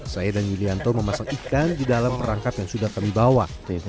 saya dan yulianto memasang ikan di dalam perangkap yang sudah kami bawa